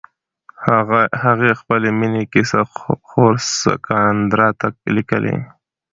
هغې خپلې مینې کیسې خور کاساندرا ته لیکلې.